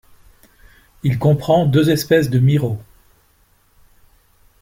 Il comprend deux espèces de miros.